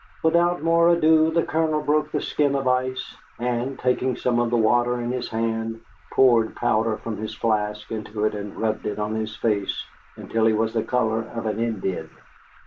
Without more ado the Colonel broke the skim of ice, and, taking some of the water in his hand, poured powder from his flask into it and rubbed it on his face until he was the color of an Indian.